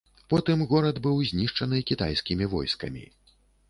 Потым горад быў знішчаны кітайскімі войскамі.